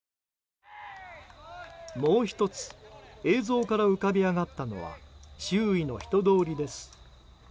もう１つ映像から浮かび上がったのは周囲の人通りです。